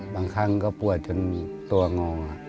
ปลูกป่วยจนตัวงอ